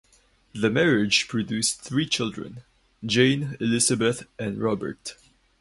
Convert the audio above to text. The marriage produced three children: Jane, Elizabeth, and Robert.